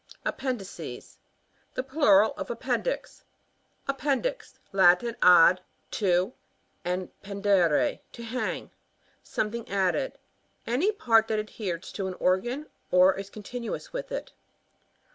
Appendices — The plural of appendix. Appendix. — Latin, cr^, to, and pendere tohan^; something added. Any part that adheres to an organ, or is continuous with it.